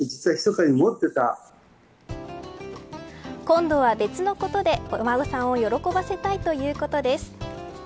今度は別のことでお孫さんを喜ばせたいということです。